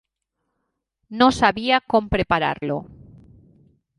No sabia com preparar-lo...